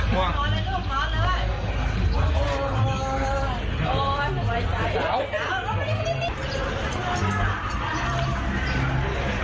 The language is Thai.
สบายใจ